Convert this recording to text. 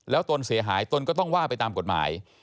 แล้วตนเสียหายตนก็ต้องว่าไปตามกฎหมาย